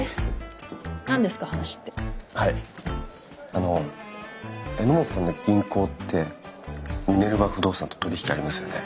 あの榎本さんの銀行ってミネルヴァ不動産と取り引きありますよね？